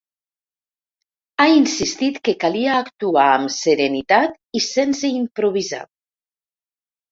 Ha insistit que calia actuar amb serenitat i sense improvisar.